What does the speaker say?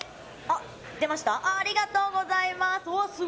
ありがとうございます！